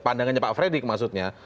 pandangannya pak fredrik maksudnya